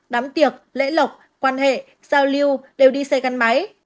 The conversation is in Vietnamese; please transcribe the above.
đám tiệc lễ lộc quan hệ giao lưu đều đi xe gắn máy